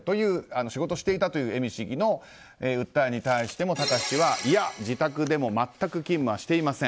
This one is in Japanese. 仕事をしていたという恵美市議の訴えに対しても貴志氏は自宅でも全く勤務はしていません。